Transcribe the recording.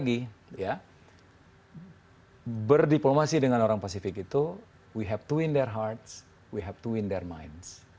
di dalam musik diplomasi dengan orang pasifik itu kita memiliki dua hati dua pikiran